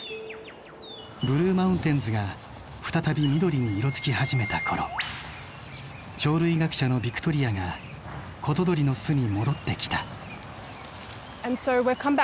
ブルー・マウンテンズが再び緑に色づき始めた頃鳥類学者のヴィクトリアがコトドリの巣に戻ってきた。